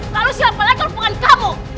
lalu siapa lagi hubungan kamu